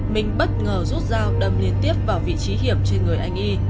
minh bất ngờ rút dao đâm liên tiếp vào vị trí hiểm trên người anh y